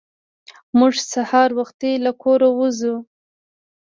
موږ سهار وختي له کوره وځو.